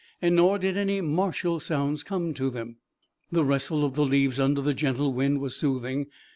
Nor did any martial sounds come to them. The rustle of the leaves under the gentle wind was soothing.